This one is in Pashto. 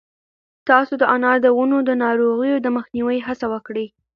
تاسو د انار د ونو د ناروغیو د مخنیوي هڅه وکړئ.